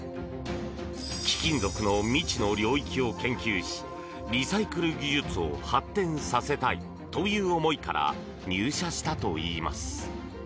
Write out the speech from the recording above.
貴金属の未知の領域を研究しリサイクル技術を発展させたいという思いから入社したといいます。